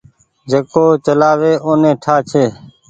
جيڪو چلآوي اوني ٺآ ڇي۔